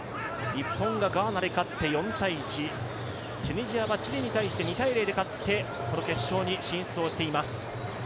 日本がガーナに勝って４−１、チュニジアはチリに対して２−０で勝ってこの決勝に進出しています。